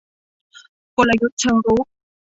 กลยุทธ์เชิงรุก